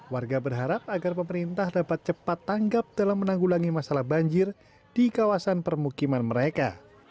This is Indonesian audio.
warga berharap agar pemerintah dapat cepat tanggap dalam menanggulangi masalah banjir di kawasan permukiman mereka